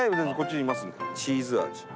チーズ味。